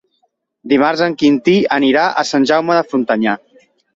Dimarts en Quintí anirà a Sant Jaume de Frontanyà.